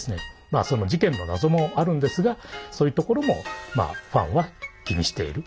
その事件の謎もあるんですがそういうところもファンは気にしている。